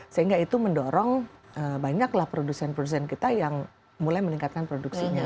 sehingga itu mendorong banyaklah produsen produsen kita yang mulai meningkatkan produksinya